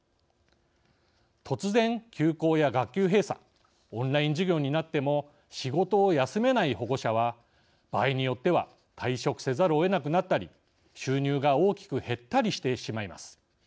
突然、休校や学級閉鎖オンライン授業になっても仕事を休めない保護者は場合によっては退職せざるをえなくなったり収入が大きく減ったりしてしまいます。